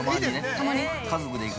◆たまに？◆家族で行く。